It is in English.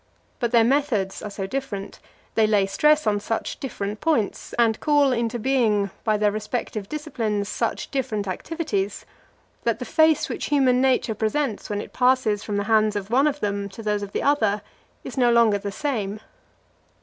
But their methods are so different, they lay stress on such different points, and call into being by their respective disciplines such different activities, that the face which human nature presents when it passes from the hands of one of them to those of the other, is no longer the same.